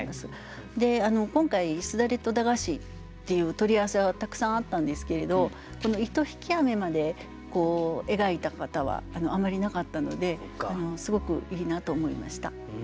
今回「簾」と「駄菓子」っていう取り合わせはたくさんあったんですけれどこの「糸引き」まで描いた方はあんまりいなかったのですごくいいなと思いました。